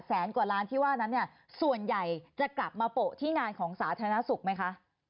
กว่าล้านที่ว่านั้นเนี่ยส่วนใหญ่จะกลับมาโปะที่งานของสาธารณสุขไหมคะ